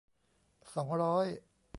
สองร้อย